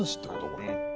これ。